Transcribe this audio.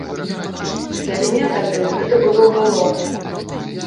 Для мяне тады гэта было галоўным.